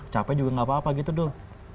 capek juga gak apa apa gitu dong